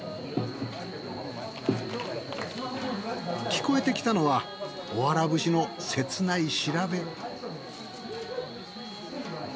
聞こえてきたのはおわら節の切ない調べ。